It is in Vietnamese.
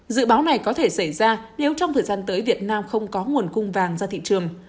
dự báo này có thể xảy ra nếu trong thời gian tới việt nam không có nguồn cung vàng ra thị trường